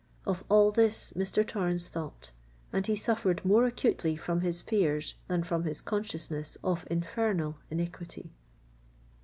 Of all this Mr. Torrens thought; and he suffered more acutely from his fears than from his consciousness of infernal iniquity.